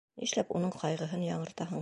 — Нишләп уның ҡайғыһын яңыртаһың?